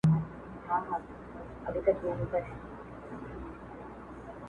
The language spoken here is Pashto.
چي تا په گلابي سترگو پرهار پکي جوړ کړ.